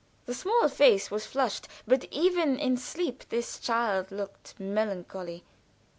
The small face was flushed, but even in sleep this child looked melancholy.